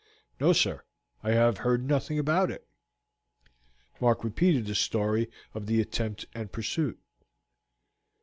"No, sir, I have heard nothing about it." Mark repeated the story of the attempt and pursuit.